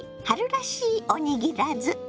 春らしいおにぎらず。